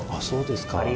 そうですか。